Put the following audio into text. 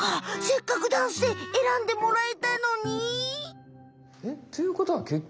せっかくダンスでえらんでもらえたのに。